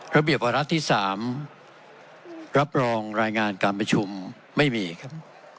ระเบียบวาระที่๓รับรองรายงานการประชุมไม่มีครับ